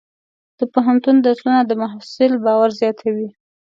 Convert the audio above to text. د پوهنتون درسونه د محصل باور زیاتوي.